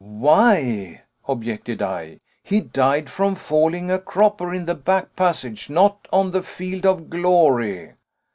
"Why!" objected I, "he died from falling a cropper in the back passage, not on the field of glory."